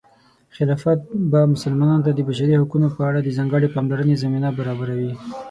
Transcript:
خلافت به مسلمانانو ته د بشري حقونو په اړه د ځانګړې پاملرنې زمینه برابروي.